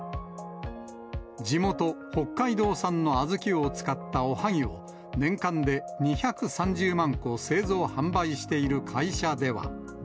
地元、北海道産の小豆を使ったおはぎを、年間で２３０万個製造・販売している会社では。